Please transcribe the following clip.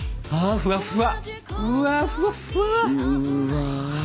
ふわふわ。